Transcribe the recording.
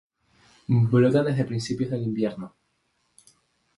Brotan desde principios del invierno.